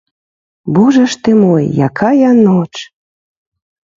Божа ж ты мой, якая ноч!